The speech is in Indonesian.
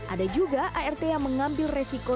ada juga art yang mengambil resiko